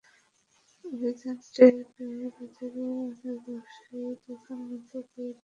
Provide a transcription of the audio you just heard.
অভিযান টের পেয়ে বাজারের অনেক ব্যবসায়ী দোকান বন্ধ করে দ্রুত সটকে পড়েন।